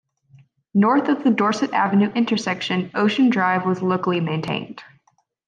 North of the Dorset Avenue intersection, Ocean Drive was locally maintained.